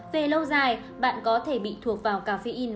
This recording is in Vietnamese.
về lâu dài bạn có thể bị thuộc vào caffeine